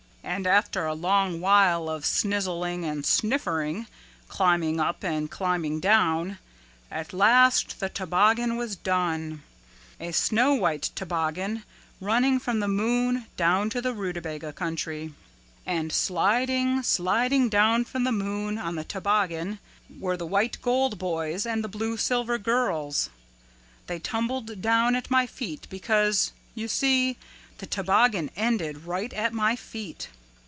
And after a long while of snizzling and sniffering, climbing up and climbing down, at last the toboggan was done, a snow white toboggan running from the moon down to the Rootabaga Country. "And sliding, sliding down from the moon on this toboggan were the White Gold Boys and the Blue Silver Girls. They tumbled down at my feet because, you see, the toboggan ended right at my feet.